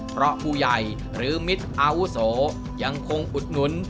เพราะผู้ใหญ่หรือมิตรอาวุโสยังคงอุดหนุน